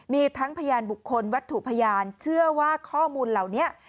มีทั้งพยานบุคคลวัตถุพยานเชื่อว่าข้อมูลเหล่านี้